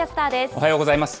おはようございます。